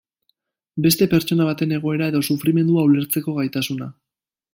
Beste pertsona baten egoera edo sufrimendua ulertzeko gaitasuna.